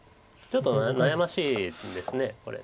ちょっと悩ましいんですこれ。